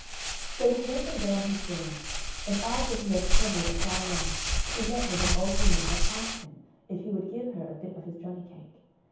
So he went away on his journey; and after he had travelled a far way, he met with an old woman that asked him if he would give her a bit of his johnny cake.